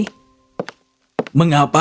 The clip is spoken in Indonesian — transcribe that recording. mengapa kau berpakaian seperti itu